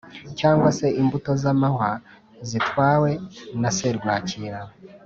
cyangwa se imbuto z’amahwa zitwawe na serwakira.